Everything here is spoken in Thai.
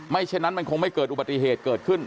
ฉะนั้นมันคงไม่เกิดอุบัติเหตุเกิดขึ้น